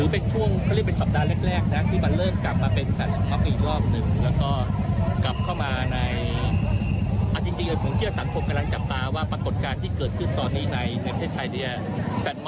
ผมคิดว่ามันเป็นสิ่งที่ใจเคียงกัน